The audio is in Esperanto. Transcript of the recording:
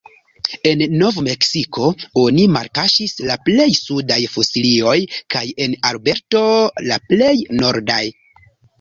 En Nov-Meksiko oni malkaŝis la plej sudaj fosilioj kaj en Alberto la plej nordaj.